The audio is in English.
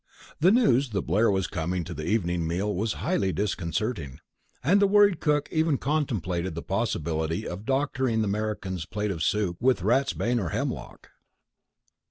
The news that Blair was coming to the evening meal was highly disconcerting, and the worried cook even contemplated the possibility of doctoring the American's plate of soup with ratsbane or hemlock.